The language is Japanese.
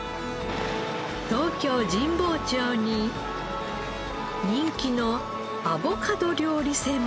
東京神保町に人気のアボカド料理専門店があります。